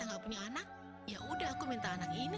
mawar isi bak mandi